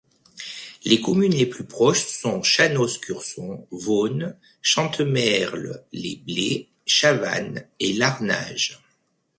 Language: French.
Les communes les plus proches sont Chanos-Curson, Veaunes, Chantemerle-les-Blés, Chavannes et Larnage.